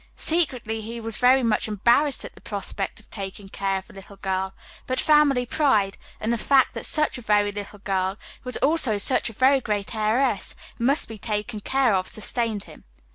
Secretly he was very much embarrassed at the prospect of taking care of a little girl, but family pride, and the fact that such a very little girl, who was also such a very great heiress, must be taken care of sustained him.